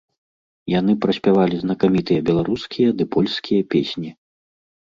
Яны праспявалі знакамітыя беларускія ды польскія песні.